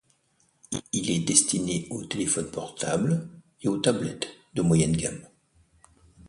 Il est destiné aux téléphones portables et aux tablettes de moyenne gamme.